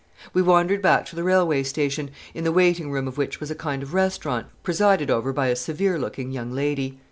'We wandered back to the railway station, in the waiting room of which was a kind of restaurant presided over by a severe looking young lady.